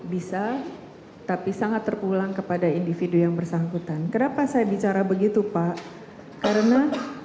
bisa tapi sangat terpulang kepada individu yang bersangkutan kenapa saya bicara begitu pak karena